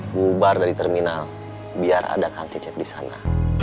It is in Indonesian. bubar dari terminal biar ada kang cecep di sana